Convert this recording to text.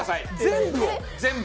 全部を。